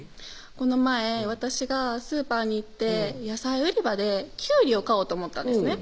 この前私がスーパーに行って野菜売り場でキュウリを買おうと思ったんですね